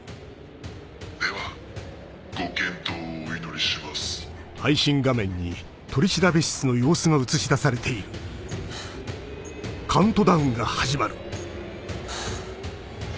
ではご健闘をお祈りします。ハァ。